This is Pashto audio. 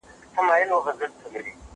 کېدای سي اوبه سړې وي!